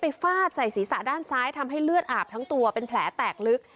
ฟาดใส่ศีรษะด้านซ้ายทำให้เลือดอาบทั้งตัวเป็นแผลแตกลึก